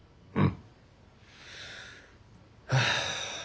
うん。